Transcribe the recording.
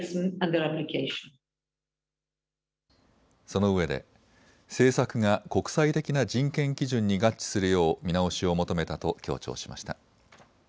そのうえで政策が国際的な人権基準に合致するよう見直しを求めたと強調しました。